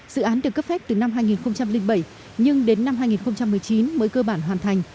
dự án được cấp phép từ năm hai nghìn bảy nhưng đến năm hai nghìn một mươi chín mới cơ bản hoàn thành